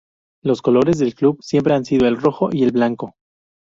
Los colores del club siempre han sido el rojo y el blanco.